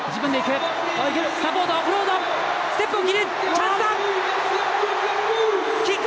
チャンスだ！